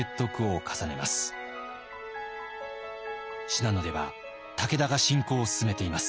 「信濃では武田が侵攻を進めています。